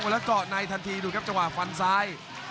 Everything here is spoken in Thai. แล้วก้อในทันทีดูครับจะว่าฟันซ้าย